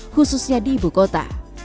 khususnya di ibu kota